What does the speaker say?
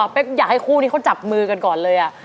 อยากให้คู่นี้เขาจับมือกันก่อนเลย